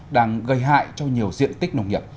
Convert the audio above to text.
đang gây hại cho nhiều diện tích nông nghiệp